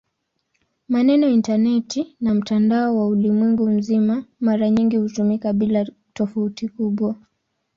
Maneno "intaneti" na "mtandao wa ulimwengu mzima" mara nyingi hutumika bila tofauti kubwa.